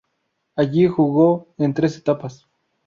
Allí jugó en tres etapas.